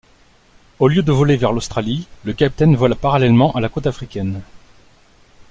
Au lieu de voler vers l'Australie, le capitaine vola parallèlement à la côte africaine.